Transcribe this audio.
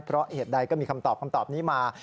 เพราะเหตุใดก็มีคำตอบคำตอบนี้มา